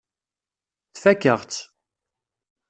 Tfakk-aɣ-tt.